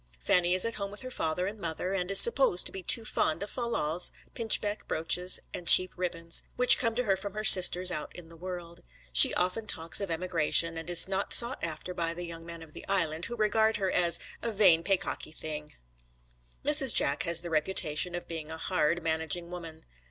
Fanny is at home with her father and mother, and is supposed to be too fond of fal lals, pinchbeck brooches and cheap ribbons, which come to her from her sisters out in the world. She often talks of emigration, and is not sought after by the young men of the Island, who regard her as a 'vain paycocky thing.' Mrs. Jack has the reputation of being a hard, managing woman.